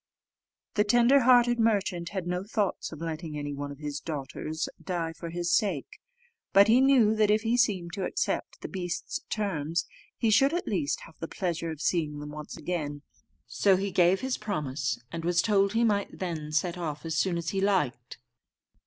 The tender hearted merchant had no thoughts of letting any one of his daughters die for his sake; but he knew that if he seemed to accept the beast's terms, he should at least have the pleasure of seeing them once again. So he gave his promise, and was told he might then set off as soon as he liked.